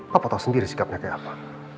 papa tau sendiri sikapnya kayak apa